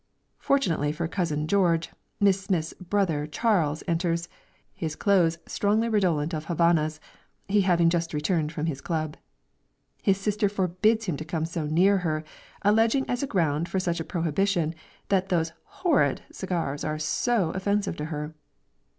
Fortunately for cousin George, Miss Smith's brother Charles enters, his clothes strongly redolent of Havannahs, he having just returned from his club. His sister forbids him to come so near her, alleging as a ground for such a prohibition, that those "horrid" cigars are so offensive to her.